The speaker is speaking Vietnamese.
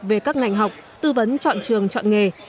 về các ngành học tư vấn chọn trường chọn nghề